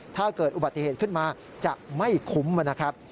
ถ้าเกิดอุบัติเหตุขึ้นมาจะไม่คุ้มนะครับ